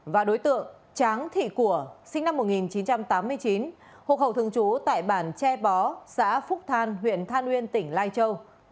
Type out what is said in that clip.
và đối tượng tráng thị của sinh năm một nghìn chín trăm tám mươi chín hộ khẩu thường trú tại bản tre bó xã phúc than huyện than uyên tỉnh lai châu